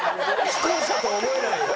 既婚者とは思えないよ。